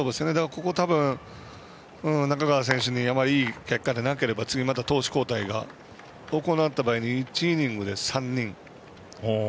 ここで中川選手に対していい結果じゃなければまた投手交代を行った場合に、イニングで３人。